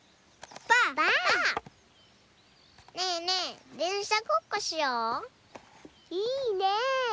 ねえねえ